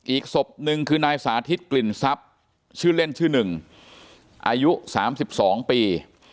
อีกศพหนึ่งคือนายสาธิตกลิ่นทรัพย์ชื่อเล่นชื่อหนึ่งอายุ๓๒ปี